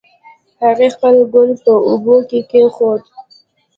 هغې خپل ګل په اوبو کې کېښود